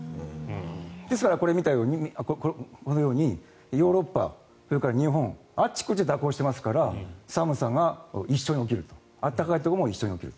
ですから、このようにヨーロッパ、それから日本あっちこっち蛇行していますから寒さが一緒に起きる暖かいところも一緒に起きると。